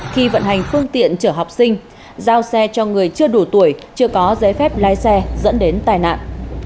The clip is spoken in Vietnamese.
khi vận hành phương tiện chở học sinh giao xe cho người chưa đủ tuổi chưa có giấy phép lái xe dẫn đến tai nạn